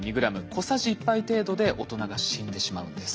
小さじ１杯程度で大人が死んでしまうんです。